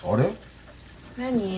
何？